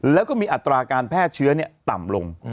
แล้วก็มีอัตราการแพร่เชื้อต่ำลง